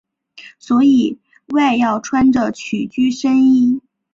所以外要穿着曲裾深衣。